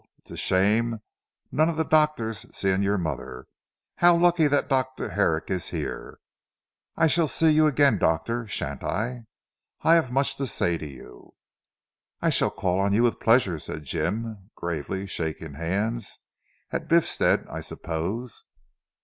"It is a shame none of the doctors seeing your mother! How lucky that Dr. Herrick is here. I shall see you again doctor shan't I! I have much to say to you." "I shall call on you with pleasure," said Jim gravely shaking hands. "At Biffstead I suppose?"